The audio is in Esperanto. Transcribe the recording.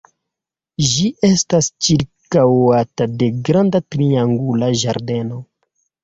Ĝi estas ĉirkaŭata de granda triangula ĝardeno.